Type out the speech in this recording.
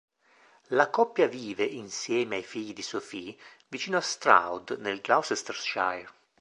La coppia vive, insieme ai figli di Sophie, vicino a Stroud, nel Gloucestershire.